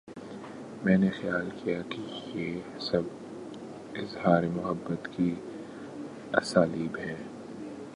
میں نے خیال کیا کہ یہ سب اظہار محبت کے اسالیب ہیں۔